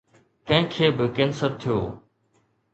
ڪنهن کي به ڪينسر ٿيو؟